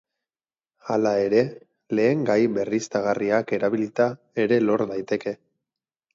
Hala ere, lehengai berriztagarriak erabilita ere lor daiteke.